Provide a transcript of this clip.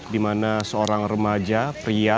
di mana seorang remaja pria